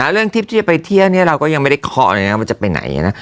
ทริปที่จะไปเที่ยวเนี่ยเราก็ยังไม่ได้เคาะเลยนะว่าจะไปไหนนะ